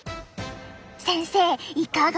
先生いかが？